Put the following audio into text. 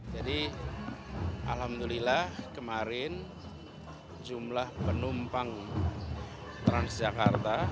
jadi alhamdulillah kemarin jumlah penumpang transjakarta